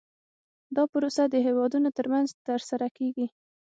دا پروسه د هیوادونو ترمنځ ترسره کیږي